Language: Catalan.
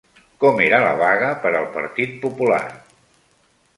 Com era la vaga per al Partit Popular?